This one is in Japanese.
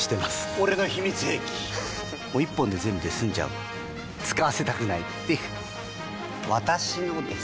俺の秘密兵器１本で全部済んじゃう使わせたくないっていう私のです！